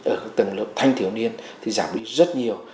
ở các tầng thanh thiếu niên giảm đi rất nhiều